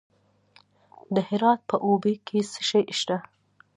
د هرات په اوبې کې څه شی شته؟